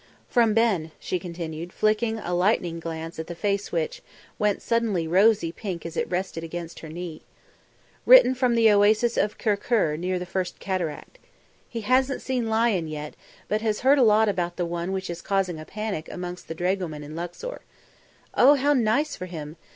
"From Ben," she continued, flicking a lightning glance at the face which, went suddenly rosy pink as it rested against her knee. "Written from the Oasis of Kurkur near the First Cataract. He hasn't seen lion yet, but has heard a lot about the one which is causing a panic amongst the dragomen in Luxor. Oh! how nice for him!